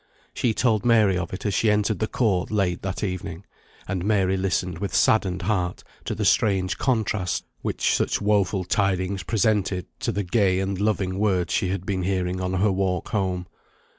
She told Mary of it as she entered the court late that evening; and Mary listened with saddened heart to the strange contrast which such woeful tidings presented to the gay and loving words she had been hearing on her walk home.